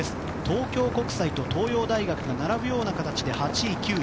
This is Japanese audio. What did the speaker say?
東京国際と東洋大学が並ぶような形で８位、９位。